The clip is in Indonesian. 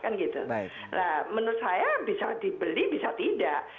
nah menurut saya bisa dibeli bisa tidak